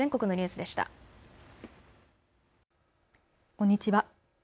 こんにちは。